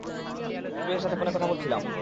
উকিলের সাথে ফোনে কথা বলছিলাম।